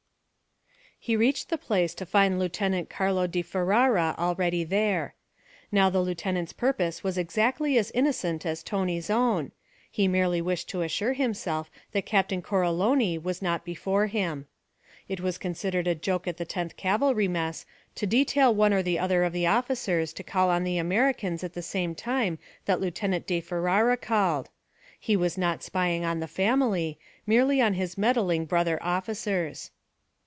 He reached the place to find Lieutenant Carlo di Ferara already there. Now the Lieutenant's purpose was exactly as innocent as Tony's own; he merely wished to assure himself that Captain Coroloni was not before him. It was considered a joke at the tenth cavalry mess to detail one or the other of the officers to call on the Americans at the same time that Lieutenant di Ferara called. He was not spying on the family, merely on his meddling brother officers.